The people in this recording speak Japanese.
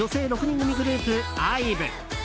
６人組グループＩＶＥ。